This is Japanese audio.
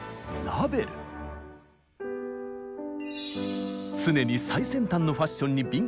そして常に最先端のファッションに敏感だった